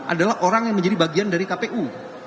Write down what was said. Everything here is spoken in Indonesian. adalah orang yang menjadi bagian dari kpu